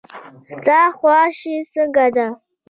ستا خواشي څنګه ده.